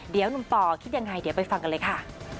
เดี๋ยวหนุ่มต่อคิดยังไงเดี๋ยวไปฟังกันเลยค่ะ